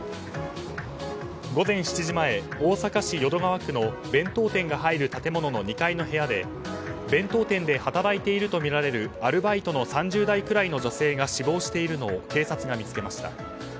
午前７時前大阪市淀川区の弁当店が入る建物の２階の部屋で弁当店で働いているとみられるアルバイトの３０代くらいの女性が死亡しているのを警察が見つけました。